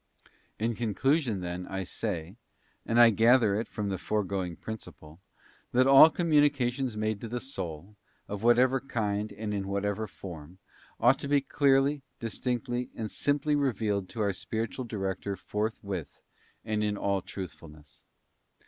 ~ In conclusion, then, I say—and I gather it from the fore going principle—that all communications made to the soul, of whatever kind and in whatever form, ought to be clearly, distinctly, and simply revealed to our spiritual director forth with, and in all truthfulness.